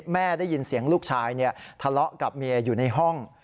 ได้ยินเสียงลูกชายทะเลาะกับเมียอยู่ในห้อง